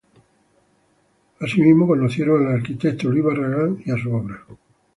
Asimismo, conocieron al arquitecto Luis Barragán y su obra.